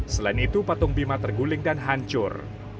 selain itu patung bima terguling dan hancur